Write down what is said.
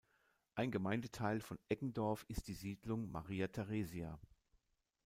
Ein Gemeindeteil von Eggendorf ist die Siedlung Maria Theresia.